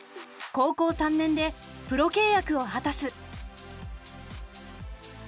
高校３年でプロ契約を果たす。